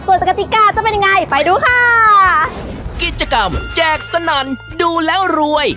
ส่วนสกติกาจะเป็นยังไงไปดูค่ะกิจกรรมแจกสนั่นดูแล้วรวย